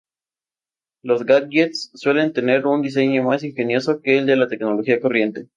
Los "gadgets" suelen tener un diseño más ingenioso que el de la tecnología corriente.